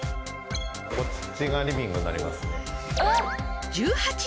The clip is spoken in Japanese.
こっちがリビングになりますね。